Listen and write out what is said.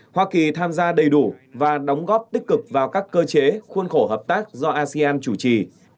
hoa kỳ tham gia đầy đủ và đóng góp tích cực vào các cơ chế khuôn khổ hợp tác do asean chủ trì